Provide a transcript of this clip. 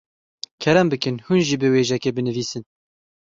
Kerem bikin hûn jî biwêjekê binivîsin.